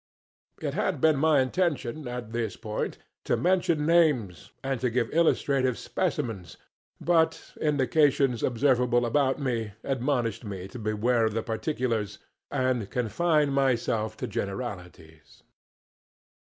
[It had been my intention, at this point, to mention names and to give illustrative specimens, but indications observable about me admonished me to beware of the particulars and confine myself to generalities.